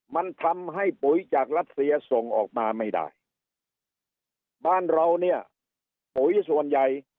มันทำให้ปุ๋ยจากรัสเซียส่งออกมาไม่ได้บ้านเราเนี่ยปุ๋ยส่วนใหญ่